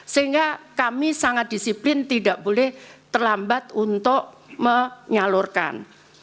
sehingga kami sangat disiplin tidak boleh terlambat untuk menyalurkan